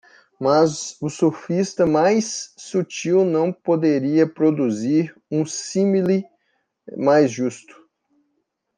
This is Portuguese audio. Mas o sofista mais sutil não poderia produzir um símile mais justo.